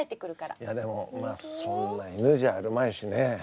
でもそんな犬じゃあるまいしね。